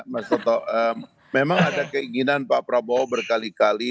mas toto memang ada keinginan pak prabowo berkali kali